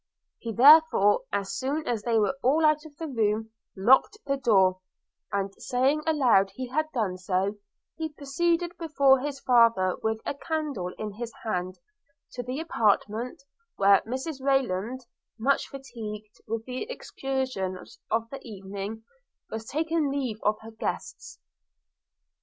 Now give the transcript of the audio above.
He therefore, as soon as they were all out of the room, locked the door, and, saying aloud he had done so, he proceeded before his father, with a candle in his hand, to the apartment where Mrs Rayland, much fatigued with the exertions of the evening, was taking leave of her guests.